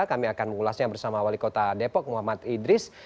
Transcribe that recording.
kami akan mengulasnya bersama wali kota depok muhammad idris